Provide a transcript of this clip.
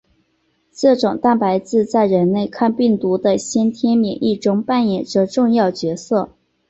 这种蛋白质在人类抗病毒的先天免疫中扮演着重要角色。